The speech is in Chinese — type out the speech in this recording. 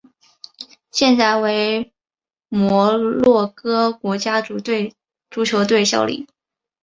现在为摩洛哥国家足球队效力。